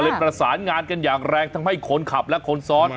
ประสานงานกันอย่างแรงทำให้คนขับและคนซ้อน